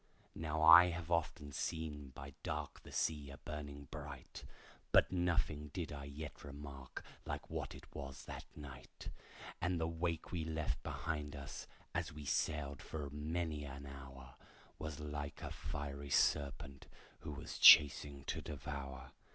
Now I have often seen by dark the sea a burning bright, But nothing did I yet remark like what it was that night, And the wake we left behind us as we sailed for many an hour, Was like a fiery serpent who was chasing to devour.